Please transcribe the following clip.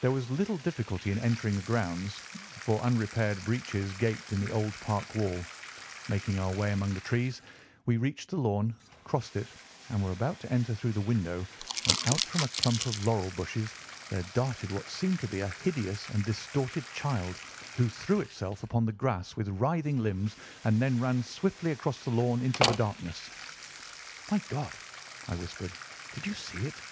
There was little difficulty in entering the grounds, for unrepaired breaches gaped in the old park wall. Making our way among the trees, we reached the lawn, crossed it, and were about to enter through the window when out from a clump of laurel bushes there darted what seemed to be a hideous and distorted child, who threw itself upon the grass with writhing limbs and then ran swiftly across the lawn into the darkness. "My God!" I whispered; "did you see it?"